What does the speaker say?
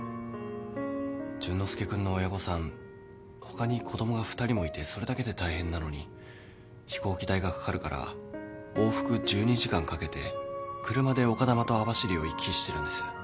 淳之介君の親御さん他に子供が２人もいてそれだけで大変なのに飛行機代がかかるから往復１２時間かけて車で丘珠と網走を行き来してるんです。